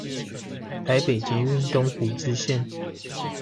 台北捷運東湖支線